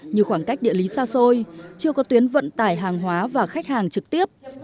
như khoảng cách địa lý xa xôi chưa có tuyến vận tải hàng hóa và khách hàng trực tiếp